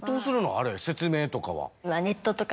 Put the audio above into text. あれ説明とかは。